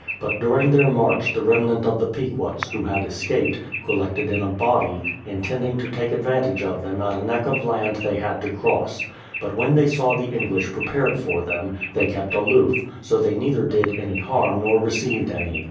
But during their march the rem nant of the Pequots, who had escaped, collected in a body, intending to take advantage of them at a neck of land they had to cross ; but when they saw the English prepared for them, they kept aloof, so they neither did any harm nor received any.